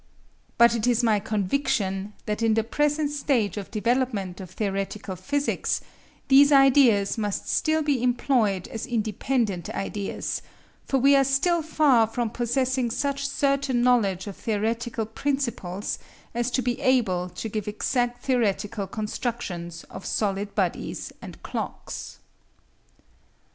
But it is my conviction that in the present stage of development of theoretical physics these ideas must still be employed as independent ideas; for we are still far from possessing such certain knowledge of theoretical principles as to be able to give exact theoretical constructions of solid bodies and clocks.